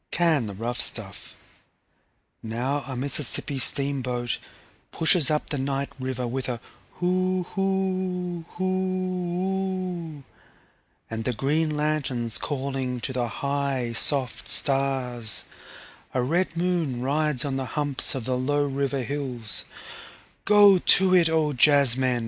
Can the rough stuff … now a Mississippi steamboat pushes up the night river with a hoo hoo hoo oo … and the green lanterns calling to the high soft stars … a red moon rides on the humps of the low river hills … go to it, O jazzmen.